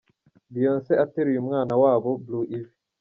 Beyonce ateruye umwana wabo Blue Ivy.